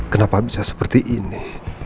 kenapa bisa seperti ini